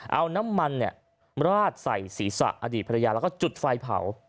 เอาน้ำมันราดใส่ศีรษะอดีตภรรยาแล้วก็จุดไฟเผา